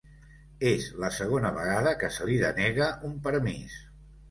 És la segona vegada que se li denega un permís